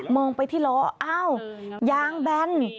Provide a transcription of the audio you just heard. มองไปที่ล้อยางแบน